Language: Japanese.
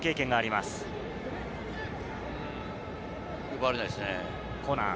奪われないですね。